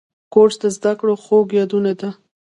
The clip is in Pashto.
کورس د زده کړو خوږ یادونه ده.